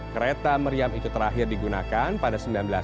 kereta meriam itu terakhir digunakan pada seribu sembilan ratus sembilan puluh